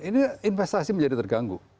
ini investasi menjadi terganggu